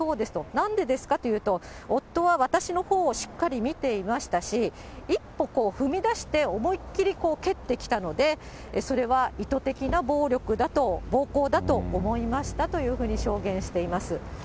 なんでですか？というと、夫は私のほうをしっかり見ていましたし、一歩踏み出して、思いっきり蹴ってきたので、それは意図的な暴力だと、暴行だと思いましたというふうに証言しています。